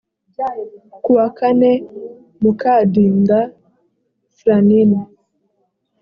ku wa kane mukandinda fran ine